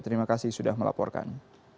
terima kasih sudah melaporkan